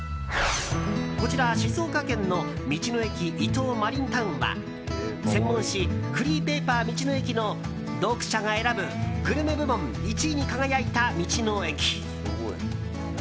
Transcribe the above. こちら、静岡県の道の駅伊東マリンタウンは専門誌「フリーペーパー道の駅」の読者が選ぶグルメ部門１位に輝いた道の駅。